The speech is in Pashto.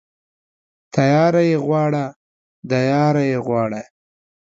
تياره يې غواړه ، د ياره يې غواړه.